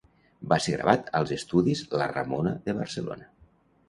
Va ser gravat als estudis La Ramona de Barcelona.